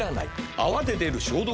「泡で出る消毒液」は。